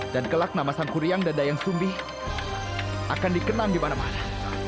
dan kelak nama sangguryang dan dayang sumbi akan dikenang di mana mana